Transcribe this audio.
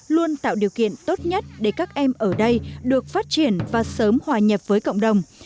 luôn tạo điều kiện tốt nhất để các em ở đây được phát triển và sớm hòa nhập với cộng đồng